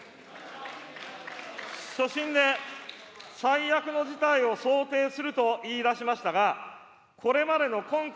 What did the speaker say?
所信で最悪の事態を想定すると言いだしましたが、これまでの根拠